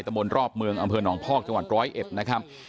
บนรอบเมืองอำเภอหนองพอกจังหวัดร้อยเอ็ดนะครับ